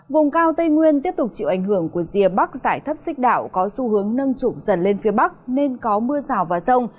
vùng cao tây nguyên tiếp tục chịu ảnh hưởng của rìa bắc giải thấp xích đạo có xu hướng nâng trụng dần lên phía bắc nên có mưa rào và rông